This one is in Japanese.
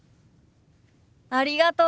ありがとう！